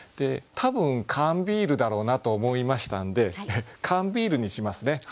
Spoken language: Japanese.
多分缶ビールだろうなと思いましたんで「缶ビール」にしますね。